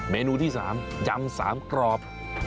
เมนูที่สามยำสามกรอบ